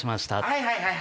はいはいはい。